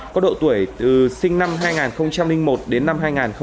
có độ tuổi từ sinh năm hai nghìn một đến năm hai nghìn bảy